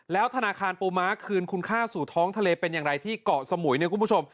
ธนาคารปูม้าคืนคุณค่าสู่ท้องทะเลเป็นอย่างไรที่เกาะสมุยเนี่ยคุณผู้ชม